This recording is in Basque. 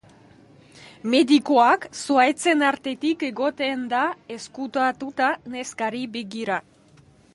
Medikuak zuhaitzen artetik egoten da ezkutatuta neskari begira.